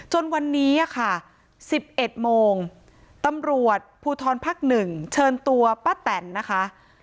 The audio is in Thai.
จนวันนี้อ่ะค่ะสิบเอ็ดโมงตำรวจภูทรพักหนึ่งเชิญตัวป้าแต่นนะคะ